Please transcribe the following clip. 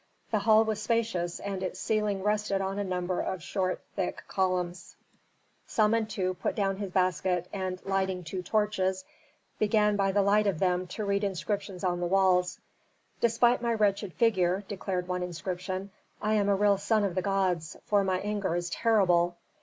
The hall was spacious and its ceiling rested on a number of short thick columns. Samentu put down his basket and, lighting two torches, began by the light of them to read inscriptions on the walls. "Despite my wretched figure," declared one inscription, "I am a real son of the gods, for my anger is terrible.